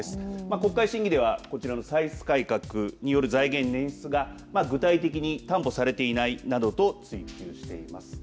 国会審議では、こちらの歳出改革による財源捻出が具体的に担保されていないなどと追及しています。